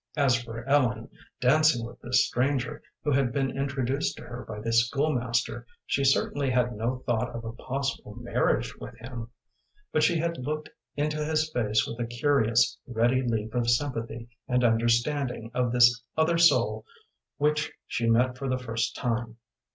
As for Ellen, dancing with this stranger, who had been introduced to her by the school master, she certainly had no thought of a possible marriage with him, but she had looked into his face with a curious, ready leap of sympathy and understanding of this other soul which she met for the first time.